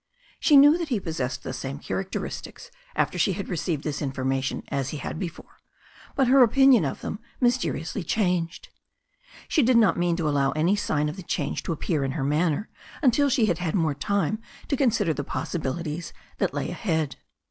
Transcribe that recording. She knew that he possessed the same characteristics after she had received this information as he had before, but her opinion of them mysteriously changed. She did not mean to allow any sign of the change to appear in her manner until she had had more time to consider the pos sibilities that lay ahead.